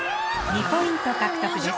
２ポイント獲得です。